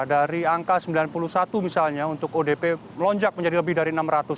dari angka sembilan puluh satu misalnya untuk odp melonjak menjadi lebih dari enam ratus